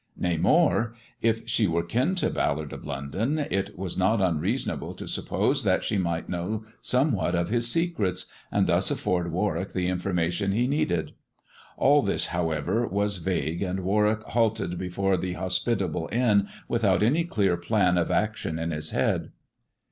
Nay, more; if she were kin to Ballard of London it was not unreasonable to suppose that she might know somewhat of his secrets, and thus afford Warwick the information he needed. All this, however, was vague, and Warwick halted before the hospitable inn without any clear plan of action in his head.